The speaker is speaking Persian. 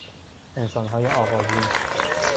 انسانهای آغازین